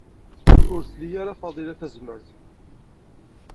Ur tli ara Faḍila tazmert.